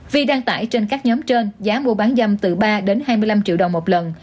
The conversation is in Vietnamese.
vi đăng tải trên các nhóm trên giá mua bán dâm từ ba đến hai mươi năm triệu đồng một lần